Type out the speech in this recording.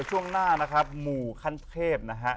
ช่วงหน้านะครับหมู่ขั้นเทพนะฮะ